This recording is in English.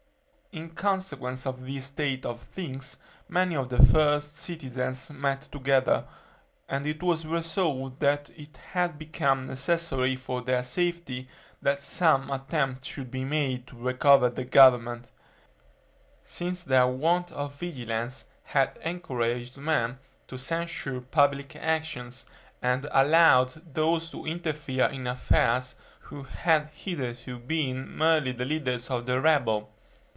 In consequence of this state of things, many of the first citizens met together, and it was resolved that it had become necessary for their safety, that some attempt should be made to recover the government; since their want of vigilance had encouraged men to censure public actions, and allowed those to interfere in affairs who had hitherto been merely the leaders of the rabble.